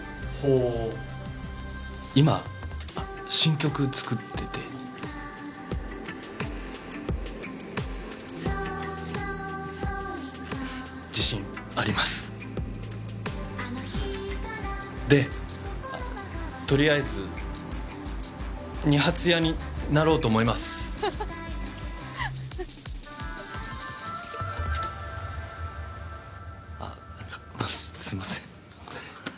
ほう今新曲作ってて自信ありますでとりあえず二発屋になろうと思いますハハッあ何かすいません